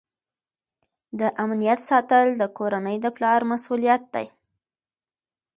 د امنیت ساتل د کورنۍ د پلار مسؤلیت دی.